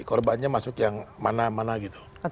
korbannya masuk yang mana mana gitu